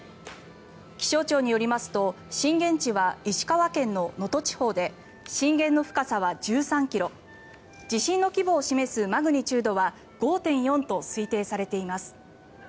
気象庁によりますと震源地は石川県の能登地方で震源の深さは１３ｋｍ地震の規模を示すマグニチュードは５．４と推計されています。